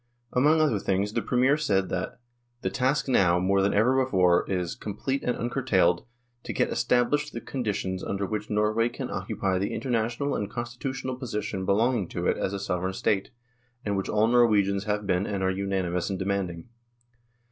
Among other things the Premier said that " the task now, more than ever before, is, complete and uncurtailed, to get established the conditions under which Norway can occupy the international and constitutional position belonging to it as a Sovereign State, and which all Norwegians have been and are unanimous in demanding."